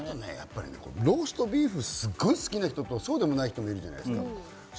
ローストビーフがすごく好きな人とそうでもない人いるじゃないですか。